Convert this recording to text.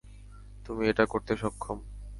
তুমি এটা করতে সক্ষম।